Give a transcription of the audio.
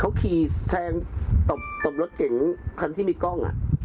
เขาขี่แซงตบรถเก๋งคันที่มีกล้อง